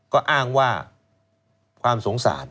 ก็อ้างว่าความสงสาร